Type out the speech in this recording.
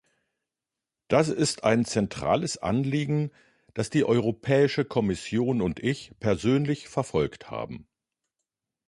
Das ist ein zentrales Anliegen, das die Europäische Kommission und ich persönlich verfolgt haben.